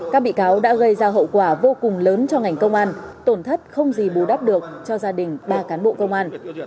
các bị cáo đã gây ra hậu quả vô cùng lớn cho ngành công an tổn thất không gì bù đắp được cho gia đình ba cán bộ công an